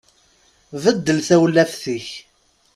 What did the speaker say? Beddel tawlaft-ik.